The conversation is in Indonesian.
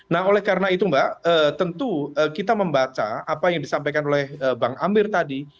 nah oleh karena itu mbak tentu kita membaca apa yang disampaikan oleh bang amir tadi